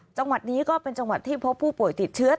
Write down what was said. จังหวัดนี้ก็เป็นจังหวัดที่พบผู้ป่วยติดเชื้อ